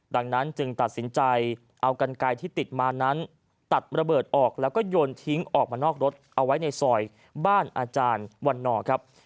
ดังนั้นจึงตัดสินใจเอากันไกลที่ติดมานั้นตัดระเบิดออกแล้วก็โยนทิ้งออกมานอกรถเอาไว้ในซอยบ้านอาจารย์วันนอร์ครับ